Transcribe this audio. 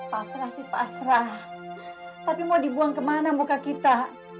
pasrah sih pasrah tapi mau dibuang kemana muka kita